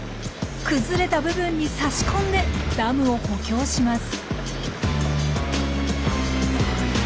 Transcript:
崩れた部分に差し込んでダムを補強します。